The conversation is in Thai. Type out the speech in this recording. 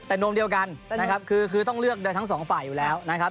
แต่นมเดียวกันนะครับคือต้องเลือกโดยทั้งสองฝ่ายอยู่แล้วนะครับ